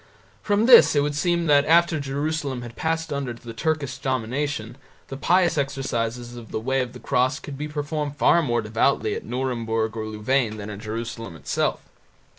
From this it would seem that after Jerusalem had passed under the Turkish domination the pious exercises of the Way of the Cross could be performed far more devoutly at Nuremburg or Louvain than in Jerusalem itself.